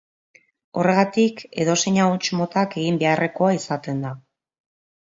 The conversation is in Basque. Horregatik, edozein ahots motak egin beharrekoa izaten da.